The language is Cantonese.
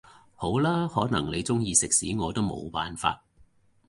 好啦，可能你鍾意食屎我都冇辦法